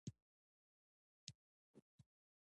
تاریخ د خپلې ځمکې زمکړه ده.